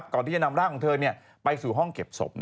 ก่อนที่จะนำร่างของเธอไปสู่ห้องเก็บศพ